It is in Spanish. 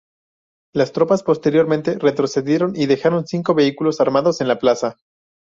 Las tropas posteriormente retrocedieron y dejaron cinco vehículos armados en la plaza.